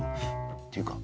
っていうか